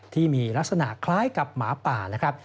ที่มีลักษณะคล้ายกับหมาป่านะครับ